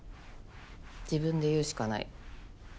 自分で言うしかない。